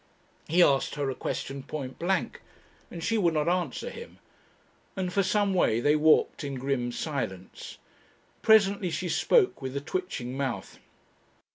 He asked her a question point blank and she would not answer him, and for some way they walked in grim silence. Presently she spoke with a twitching mouth.